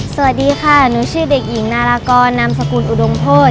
สวัสดีค่ะหนูชื่อเด็กหญิงนารากรนามสกุลอุดมโภษ